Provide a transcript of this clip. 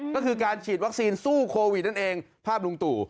ก็คือการฉีดวัคซีนสู้โควิดนั่นเองภาพลุงตู่